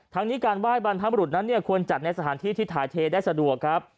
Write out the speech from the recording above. นี้การไหว้บรรพบรุษนั้นเนี่ยควรจัดในสถานที่ที่ถ่ายเทได้สะดวกครับ